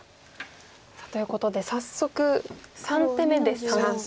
さあということで早速３手目で三々。